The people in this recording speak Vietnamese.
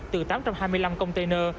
từ tám trăm hai mươi năm container